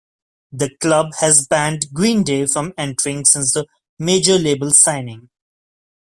The club has banned Green Day from entering since the major label signing.